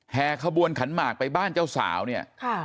ขบวนขันหมากไปบ้านเจ้าสาวเนี่ย